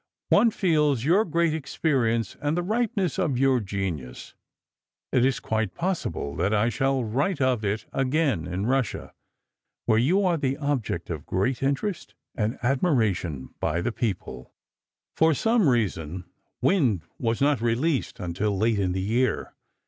One feels your great experience and the ripeness of your genius.... It is quite possible that I shall write [of it] again to Russia, where you are the object of great interest and admiration by the people. [Illustration: "WIND" Letty, burying the man she had killed] For some reason, "Wind" was not released until late in the year.